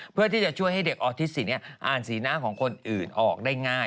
เพื่อที่จะช่วยให้เด็กออทิสินอ่านสีหน้าของคนอื่นออกได้ง่าย